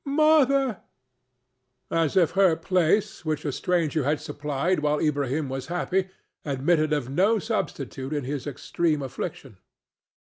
Mother!" as if her place, which a stranger had supplied while Ilbrahim was happy, admitted of no substitute in his extreme affliction.